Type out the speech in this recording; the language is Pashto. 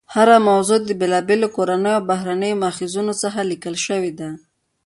هره موضوع د بېلابېلو کورنیو او بهرنیو ماخذونو څخه لیکل شوې ده.